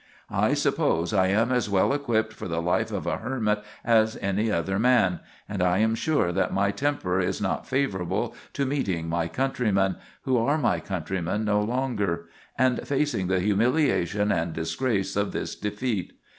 I suppose I am as well equipped for the life of a hermit as any other man; and I am sure that my temper is not favorable to meeting my countrymen, who are my countrymen no longer, and facing the humiliation and disgrace of this defeat.